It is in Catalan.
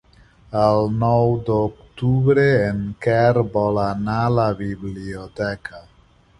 El nou d'octubre en Quer vol anar a la biblioteca.